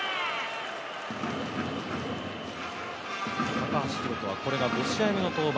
高橋宏斗はこれが５試合目の当番。